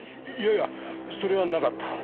いやいやそれはなかった。